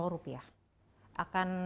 rupiah akan